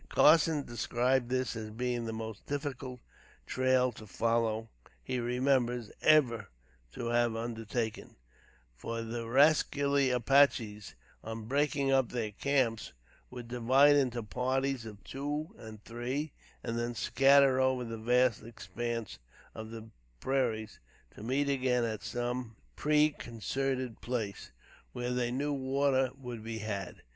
Carson describes this as being the most difficult trail to follow he remembers ever to have undertaken, for the rascally Apaches, on breaking up their camps, would divide into parties of two and three, and then scatter over the vast expanse of the prairies to meet again at some preconcerted place, where they knew water could be had.